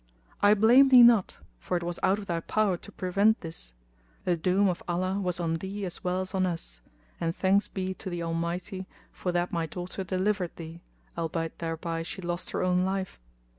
I blame thee not, for it was out of thy power to prevent this: the doom of Allah was on thee as well as on us and thanks be to the Almighty for that my daughter delivered thee, albeit thereby she lost her own life!